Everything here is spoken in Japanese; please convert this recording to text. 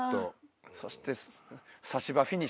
そして。